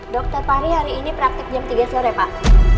dokter fahri hari ini praktik jam tiga sore pak